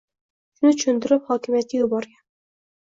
Shuni tushuntirib hokimiyatga yuborgan.